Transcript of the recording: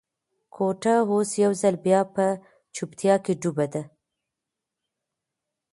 کوټه اوس یو ځل بیا په چوپتیا کې ډوبه ده.